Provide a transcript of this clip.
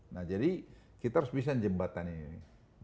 nah jadi kita harus bisa jembatan ini